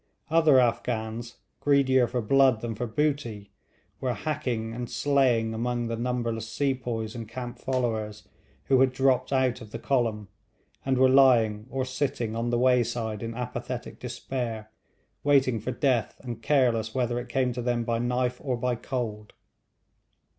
Other Afghans, greedier for blood than for booty, were hacking and slaying among the numberless sepoys and camp followers who had dropped out of the column, and were lying or sitting on the wayside in apathetic despair, waiting for death and careless whether it came to them by knife or by cold.